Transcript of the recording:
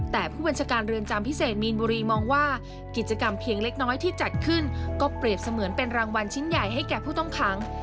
แต่ผู้บัญชาการเรือนจำพิเศษมีนบุรีมองว่ากิจกรรมเพียงเล็กน้อยที่จัดขึ้นก็เปรียบเสมือนเป็นรางวัลชิ้นใหญ่ให้แก่ผู้ต้องขัง